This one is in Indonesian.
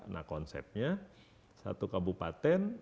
nah konsepnya satu kabupaten